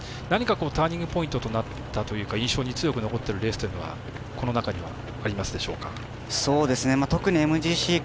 何かターニングポイントになったというか印象に強く残っているレースというのはこの中にありますでしょうか。